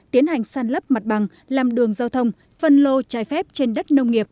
tiến hành sàn lấp mặt bằng làm đường giao thông phân lô trái phép trên đất nông nghiệp